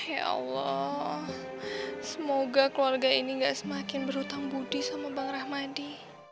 ya allah semoga keluarga ini gak semakin berhutang budi sama bang rahmadi